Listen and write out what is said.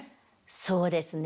そうですね。